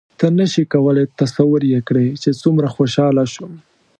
ته نه شې کولای تصور یې کړې چې څومره خوشحاله شوم.